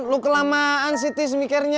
lu kelamaan sih tismikirnya